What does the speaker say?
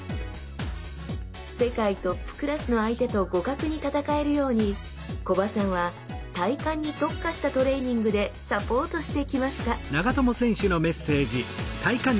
世界トップクラスの相手と互角に戦えるように木場さんは体幹に特化したトレーニングでサポートしてきました先生